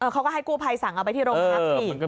เขาก็ให้กู้ภัยสั่งเอาไปที่โรงพักอีก